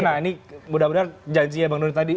nah ini mudah mudahan janji ya bang doli tadi